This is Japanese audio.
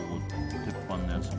鉄板のやつにも。